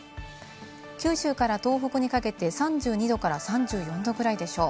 九州から東北にかけて３２度から３４度ぐらいでしょう。